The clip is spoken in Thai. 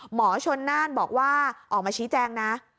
หมอชนน่านบอกว่าออกมาชี้แจงนะ